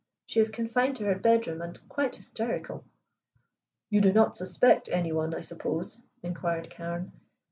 She is confined to her bedroom and quite hysterical." "You do not suspect any one, I suppose?" inquired Carne.